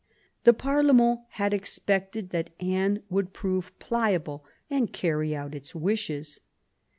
The parlement had expected that Anne would prove pliable and carry out its wishes.